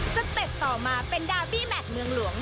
สเต็ปต่อมาเป็นดาร์บี้แมทเมืองหลวง